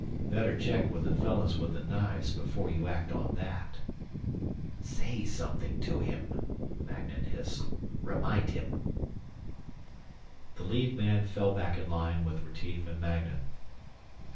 "Better check with the fellows with the knives before you act on that." "Say something to him," Magnan hissed, "Remind him." The lead man fell back in line with Retief and Magnan.